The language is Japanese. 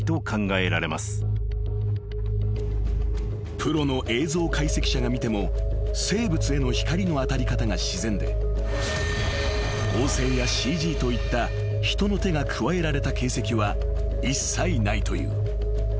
［プロの映像解析者が見ても生物への光の当たり方が自然で合成やＣＧといった人の手が加えられた形跡は一切ないという］